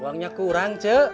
uangnya kurang cik